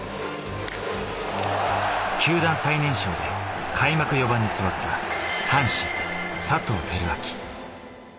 球団最年少で開幕４番に座った阪神・佐藤輝明。